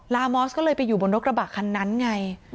มอสก็เลยไปอยู่บนรถกระบะคันนั้นไง